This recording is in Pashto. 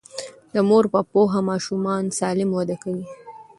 د مور په پوهه ماشومان سالم وده کوي.